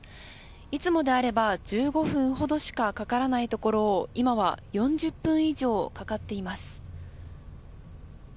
いつもであれば１５分ほどしかかからないところを今は４０分以上かかっています。